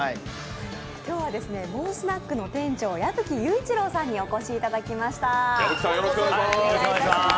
今日はモンスナックの店長、矢吹雄一郎さんにお越しいただきました。